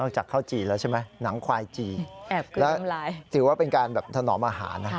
จากข้าวจี่แล้วใช่ไหมหนังควายจีนแล้วถือว่าเป็นการแบบถนอมอาหารนะ